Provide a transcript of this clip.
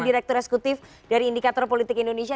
direktur eksekutif dari indikator politik indonesia